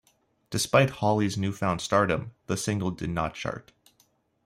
Despite Holly's newfound stardom, the single did not chart.